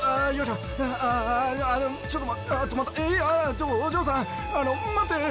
ちょお嬢さんあの待って！